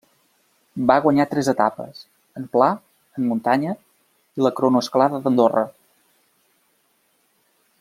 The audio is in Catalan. Va guanyar tres etapes, en pla, en muntanya i la cronoescalada d'Andorra.